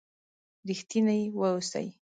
رښتيني و اوسئ!